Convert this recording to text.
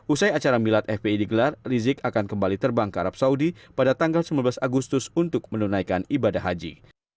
usai acara milad fpi digelar rizik akan kembali terbang ke arab saudi pada tanggal sembilan belas agustus untuk menunaikan ibadah haji